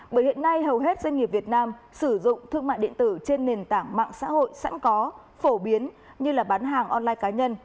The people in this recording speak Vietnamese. bởi hiện nay hầu hết doanh nghiệp việt nam sử dụng thương mại điện tử trên nền tảng mạng xã hội sẵn có phổ biến như bán hàng online cá nhân